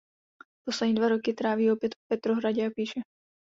Poslední dva roky tráví opět v Petrohradě a píše.